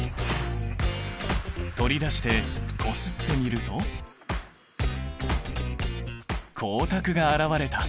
取り出してこすってみると光沢があらわれた！